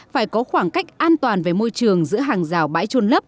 phải có khoảng cách an toàn về môi trường giữa hàng rào bãi trôn lấp